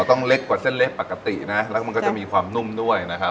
ต้องเล็กกว่าเส้นเล็กปกตินะแล้วก็มันก็จะมีความนุ่มด้วยนะครับ